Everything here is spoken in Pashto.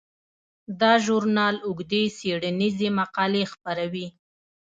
دا ژورنال اوږدې څیړنیزې مقالې خپروي.